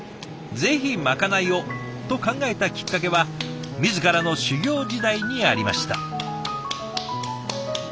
ぜひまかないをと考えたきっかけは自らの修業時代にありました。